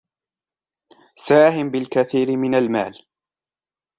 ساهم بالكثير من المال.